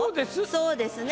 そうですね。